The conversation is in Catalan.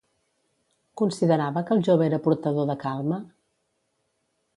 Considerava que el jove era portador de calma?